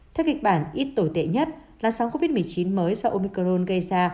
theo kịch bản ít tồi tệ nhất là sóng covid một mươi chín mới do omicron gây ra